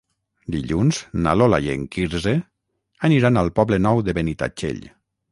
Dilluns na Lola i en Quirze aniran al Poble Nou de Benitatxell.